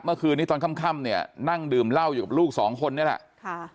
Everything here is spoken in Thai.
เมื่อคืนนี้ตอนค่ำเนี่ยนั่งดื่มเหล้าอยู่กับลูกสองคนนี่แหละค่ะ